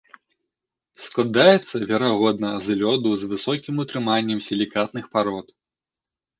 Складаецца верагодна з лёду з высокім утрыманнем сілікатных парод.